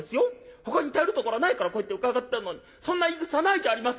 ほかに頼るところないからこうやって伺ったのにそんな言いぐさないじゃありませんか。